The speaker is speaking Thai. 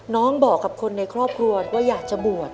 น้องเจ๊เกิดบอกคนในครอบครวลว่าอยากจะบวช